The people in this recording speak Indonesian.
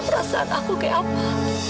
perasaan aku kayak apa